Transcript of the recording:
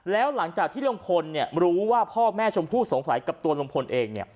แล้วหลังจากที่ลุงพลรู้ว่าพ่อแม่ชมพู่สงสัยกับตัวลุงพลเอง